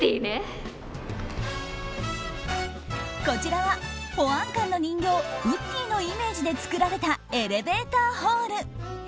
こちらは保安官の人形ウッディのイメージで作られたエレベーターホール。